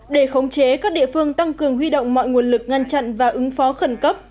để khống chế các địa phương tăng cường huy động mọi nguồn lực ngăn chặn và ứng phó khẩn cấp